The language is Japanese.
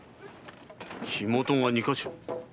火元が二か所。